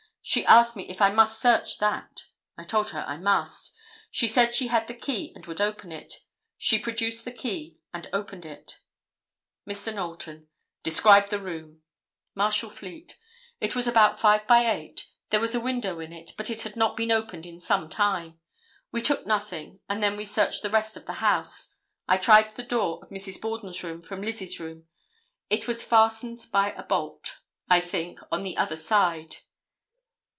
She asked me if I must search that. I told her I must. She said she had the key and would open it. She produced the key and opened it." Mr. Knowlton—"Describe the room." Marshal Fleet—"It was about five by eight; there was a window in it, but it had not been opened in some time. We took nothing, and then we searched the rest of the house. I tried the door of Mrs. Borden's room, from Miss Lizzie's room. It was fastened by a bolt, I think, on the other side."